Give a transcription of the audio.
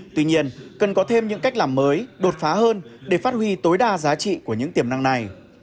tuy nhiên cần có thêm những cách làm mới đột phá hơn để phát huy tối đa giá trị của những tiềm năng này